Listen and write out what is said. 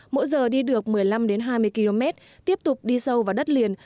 mỗi giờ đi được một mươi năm hai mươi km tiếp tục đi sâu vào đất liền